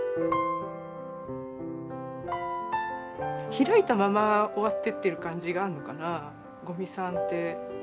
開いたまま終わってってる感じがあるのかな五味さんって。